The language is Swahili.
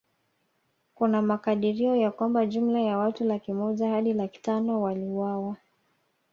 Kuna makadirio ya kwamba jumla ya watu laki moja Hadi laki tano waliuawa